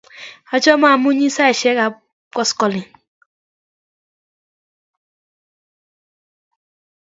Achame amunyi saisyek ap koskoling'